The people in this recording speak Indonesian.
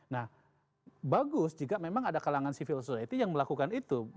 nah bagus jika memang ada kalangan civil society yang melakukan itu